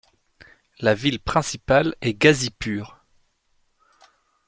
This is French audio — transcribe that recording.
La ville principale est Gazipur.